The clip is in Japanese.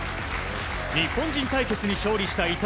日本人対決に勝利した伊藤。